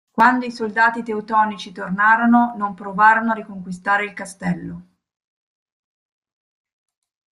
Quando i soldati teutonici tornarono, non provarono a riconquistare il castello.